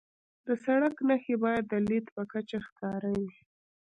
د سړک نښې باید د لید په کچه ښکاره وي.